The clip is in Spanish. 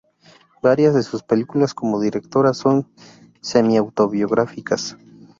Varias de sus películas como directora son semi-autobiográficas.